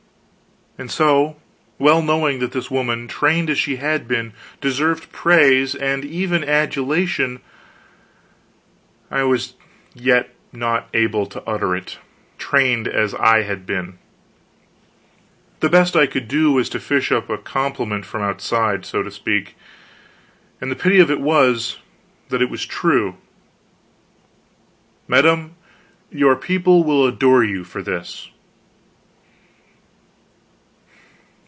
And so, well knowing that this woman, trained as she had been, deserved praise, even adulation, I was yet not able to utter it, trained as I had been. The best I could do was to fish up a compliment from outside, so to speak and the pity of it was, that it was true: "Madame, your people will adore you for this."